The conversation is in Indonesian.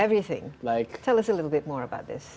beritahukan kami sedikit lebih tentang ini